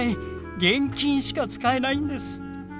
現金しか使えないんです。